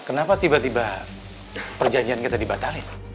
kenapa tiba tiba perjanjian kita dibatalin